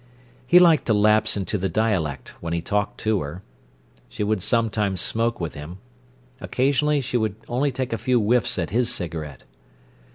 He liked to lapse into the dialect when he talked to her. She would sometimes smoke with him. Occasionally she would only take a few whiffs at his cigarette.